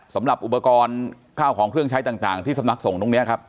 สำหรับอุปกรณ์ข้าวของเครื่องใช้ต่างที่สำนักส่งตรงนี้ครับ